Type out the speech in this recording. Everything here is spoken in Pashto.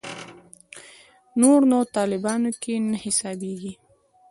نور نو طالبانو کې نه حسابېږي.